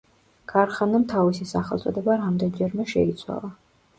ქარხანამ თავისი სახელწოდება რამდენჯერმე შეიცვალა.